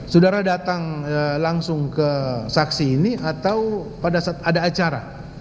saudara datang langsung ke saksi ini atau pada saat ada acara